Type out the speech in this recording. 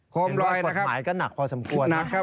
โคมลอยนะครับ